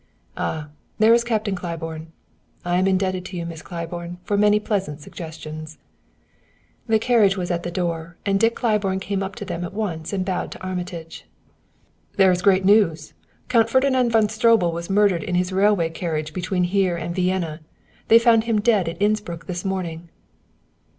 "Ah! there is Captain Claiborne. I am indebted to you, Miss Claiborne, for many pleasant suggestions." The carriage was at the door, and Dick Claiborne came up to them at once and bowed to Armitage. "There is great news: Count Ferdinand von Stroebel was murdered in his railway carriage between here and Vienna; they found him dead at Innsbruck this morning."